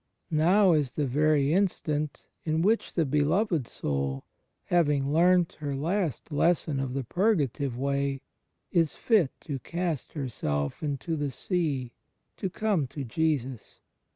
Now is the very instant in which the beloved soul, having learnt her last lesson of the Purgative Way, is fit to "cast herself into the sea"^ to come to Jesus.